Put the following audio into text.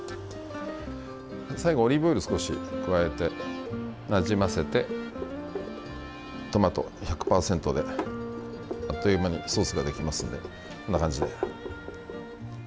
最後、オリーブオイル少し加えて、なじませてトマト１００％であっという間にソースができますんでこんな感じで。